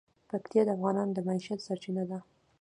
پکتیا د افغانانو د معیشت سرچینه ده.